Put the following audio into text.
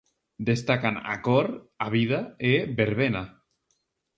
Destacan "A cor", "A vida" e "Verbena".